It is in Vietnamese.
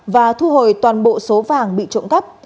và thu hồi toàn bộ số vàng bị trộm cắp